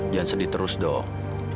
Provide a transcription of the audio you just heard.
jangan sedih terus dong